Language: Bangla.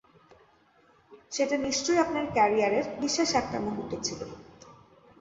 সেটা নিশ্চয়ই আপনার ক্যারিয়ারের বিশেষ একটা মুহূর্ত ছিল।